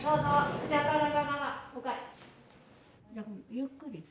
ゆっくり。